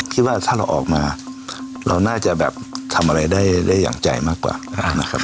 คิดว่าถ้าเราออกมาเราน่าจะแบบทำอะไรได้อย่างใจมากกว่านะครับ